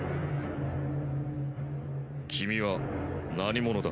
君は何者だ？